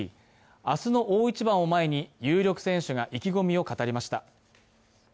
明日の大一番を前に有力選手が意気込みを語りました。